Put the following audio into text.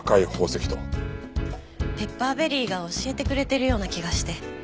ペッパーベリーが教えてくれてるような気がして。